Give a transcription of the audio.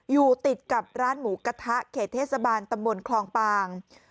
อยู่ติดกับร้านหมูกระทะเขตเทศบาลตำบลคลองปาง